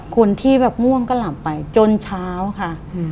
คนที่แบบม่วงก็หลับไปจนเช้าค่ะ